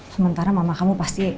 sementara mama kamu pasti